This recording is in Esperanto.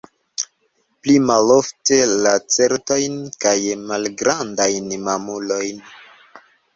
Pli malofte lacertojn kaj malgrandajn mamulojn.